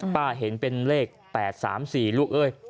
เห็นเป็นเลข๘๓๔ลูกเอ้ย